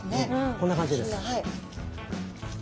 こんな感じです。